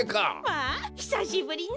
まあひさしぶりね！